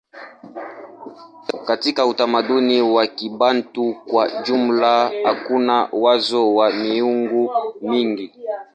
Katika utamaduni wa Kibantu kwa jumla hakuna wazo la miungu mingi.